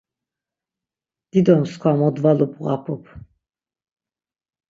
Dido mskva modvalu bğapup.